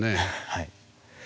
はい。